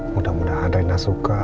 mudah mudahan reina suka